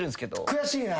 悔しいな。